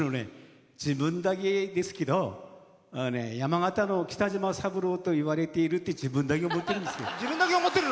自分だけですけど山形の北島三郎と呼ばれているって自分だけ思ってるんです。